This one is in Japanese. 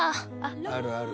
あるある。